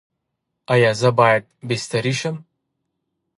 ایا زه باید بستري شم؟